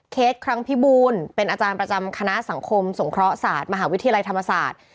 ครั้งพิบูลเป็นอาจารย์ประจำคณะสังคมสงเคราะหศาสตร์มหาวิทยาลัยธรรมศาสตร์